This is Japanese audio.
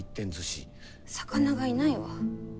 魚がいないわ。